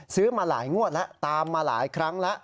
ซื้อมาหลายงวดแล้วตามมาหลายครั้งแล้ว